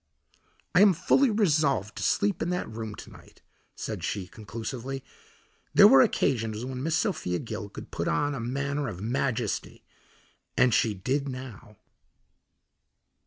"I am fully resolved to sleep in that room to night," said she conclusively. There were occasions when Miss Sophia Gill could put on a manner of majesty, and she did now.